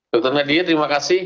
dr nadia terima kasih